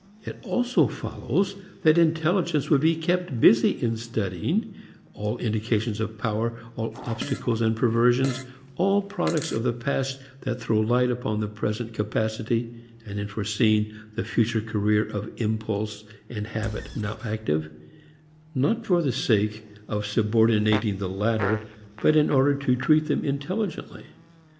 It also follows that intelligence would be kept busy in studying all indications of power, all obstacles and perversions, all products of the past that throw light upon present capacity, and in forecasting the future career of impulse and habit now active not for the sake of subordinating the latter but in order to treat them intelligently.